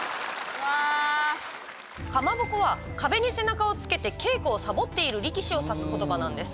かまぼこは壁に背中をつけて稽古をサボっている力士を指す言葉なんです。